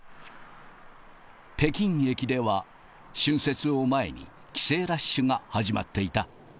北京駅では、春節を前に、帰省ラッシュが始まっていた。